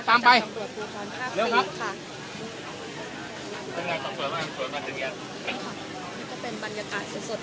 ตามไปเร็วครับนี่ก็เป็นบรรยากาศสดสด